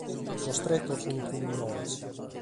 Sos tretos sunt prus minores.